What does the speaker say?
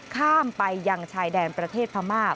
ข้ามไปยังชายแดนประเทศพม่า